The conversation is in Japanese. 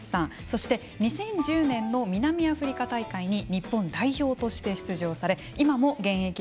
そして２０１０年の南アフリカ大会に日本代表として出場され今も現役でプレーをされています